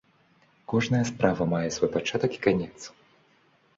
Кожная справа мае свой пачатак і канец.